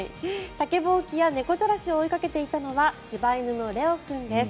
竹ぼうきや猫じゃらしを追いかけていたのは柴犬のれお君です。